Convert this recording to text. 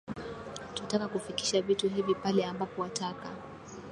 Twataka kufikisha vitu hivi pale ambapo wataka